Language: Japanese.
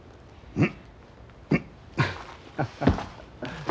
うん。